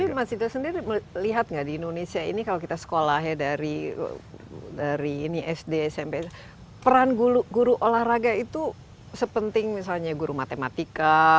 tapi mas dito sendiri melihat nggak di indonesia ini kalau kita sekolah ya dari ini sd smp peran guru olahraga itu sepenting misalnya guru matematika